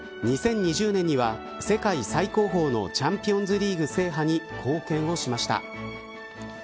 ２０２０年には世界最高峰のチャンピオンズリーグ制覇に貢献をしました。